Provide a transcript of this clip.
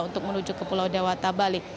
untuk menuju ke pulau dewata bali